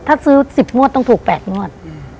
ถ้าซื้อ๑๐งวดต้องถูก๘งวด